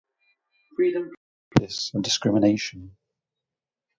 Freedom from prejudice and discrimination.